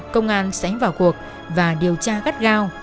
công an sẽ vào cuộc và điều tra gắt gao